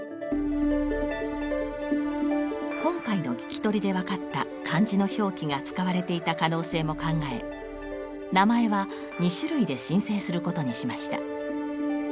今回の聞き取りで分かった漢字の表記が使われていた可能性も考え名前は２種類で申請することにしました。